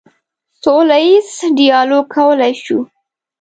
سوله ییز ډیالوګ کولی شو.